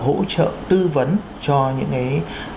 hỗ trợ tư vấn cho những cái